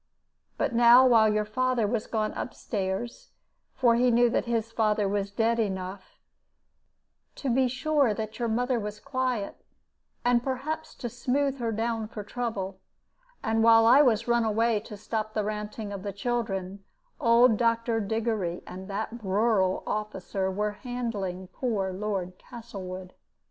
But now, while your father was gone up stairs for he knew that his father was dead enough to be sure that your mother was quiet, and perhaps to smooth her down for trouble, and while I was run away to stop the ranting of the children, old Dr. Diggory and that rural officer were handling poor Lord Castlewood.